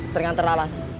sering ntar laras